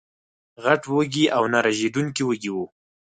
غټ وږي او نه رژېدونکي وږي وو